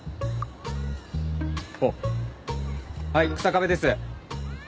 おっはい草壁です。